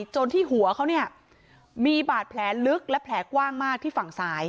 จนที่หัวเขาเนี่ยมีบาดแผลลึกและแผลกว้างมากที่ฝั่งซ้าย